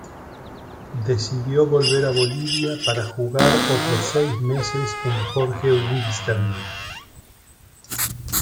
Decidió volver a Bolivia para jugar otros seis meses en Jorge Wilstermann.